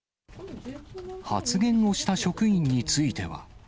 発言をした職員については。